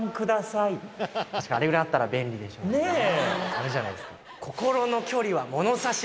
あれじゃないですか？